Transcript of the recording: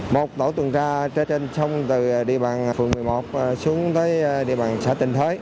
một tổ tuần tra trên sông từ địa bàn phường một mươi một xuống tới địa bàn xã tình thới